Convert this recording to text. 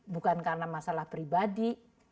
bukan karena masalah pribadi